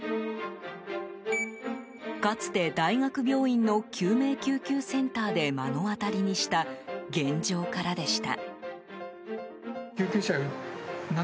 かつて大学病院の救命救急センターで目の当たりにした現状からでした。